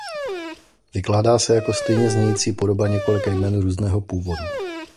Vykládá se jako stejně znějící podoba několika jmen různého původu.